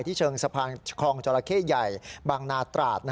เชิงสะพานคลองจราเข้ใหญ่บางนาตราด